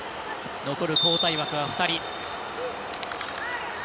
残る交代枠は２人。